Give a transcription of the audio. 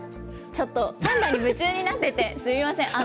ちょっとパンダに夢中になってて、すみません。